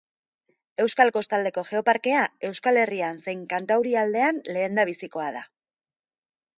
Euskal Kostaldeko Geoparkea, Euskal Herrian zein Kantaurialdean lehendabizikoa da.